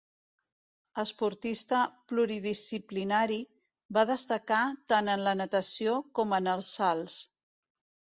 Esportista pluridisciplinari, va destacar tant en la natació com en els salts.